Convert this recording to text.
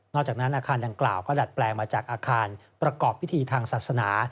จากนั้นอาคารดังกล่าวก็ดัดแปลงมาจากอาคารประกอบพิธีทางศาสนา